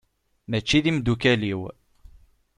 Mačči d imdukal-iw.